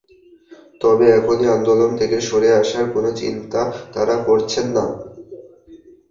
তবে এখনই আন্দোলন থেকে সরে আসার কোনো চিন্তা তাঁরা করছেন না।